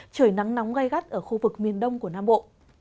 trời nắng nóng gai gắt ở khu vực miền đông của nam bộ